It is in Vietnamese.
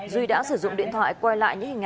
duy đã sử dụng điện thoại quay lại những hình ảnh